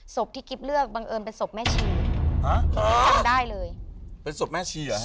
ศพที่กิ๊บเลือกบังเอิญเป็นศพแม่ชีฮะจำได้เลยเป็นศพแม่ชีเหรอฮ